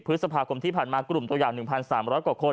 ภธิกษาภาคมที่ผ่านมากลุ่มตัวใหญ่หนึ่งพันซามร้อยกว่าคน